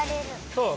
そう！